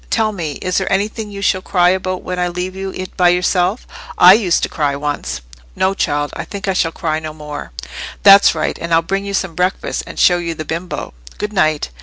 Tell me, is there anything you shall cry about when I leave you by yourself? I used to cry once." "No, child; I think I shall cry no more." "That's right; and I'll bring you some breakfast, and show you the bimbo. Good night."